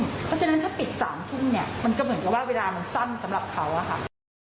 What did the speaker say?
เพราะฉะนั้นถ้าปิด๓ทุ่มเนี่ยมันก็เหมือนกับว่าเวลามันสั้นสำหรับเขาอะค่ะ